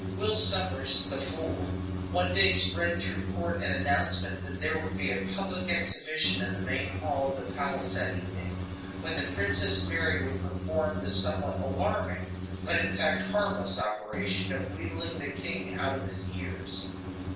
Will Sommers, the fool, one day spread through court an announcement that there would be a public exhibition in the main hall of the palace that evening, when the Princess Mary would perform the somewhat alarming, but, in fact, harmless, operation of wheedling the king out of his ears.